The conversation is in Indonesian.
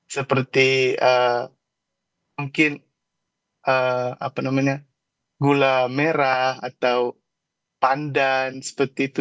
seperti mungkin gula merah atau pandan seperti itu